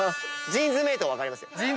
「ジーンズメイト」は分かります。